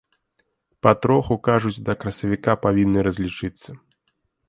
Патроху, кажуць, да красавіка павінны разлічыцца.